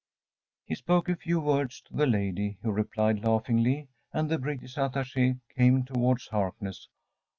He spoke a few words to the lady, who replied laughingly, and the British Attache came towards Harkness.